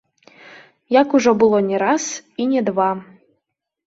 Як ужо было не раз і не два.